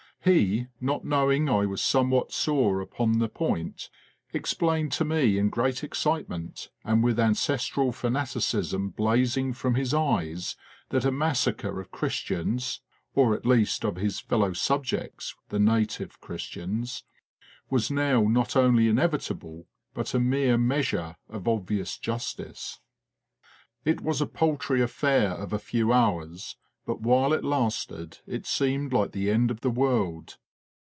He, not knowing I was somewhat sore upon the point, ex plained to me in great excitement, and with ancestral fanaticism blazing from his eyes, that a massacre of Christians (or at least of his fellow subjects, the native Christians) was now not only inevitable, but a mere measure of obvious justice. It was a paltry affair of a few hours, but while it lasted it seemed like the end of the world.